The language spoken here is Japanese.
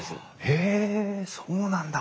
へえそうなんだ！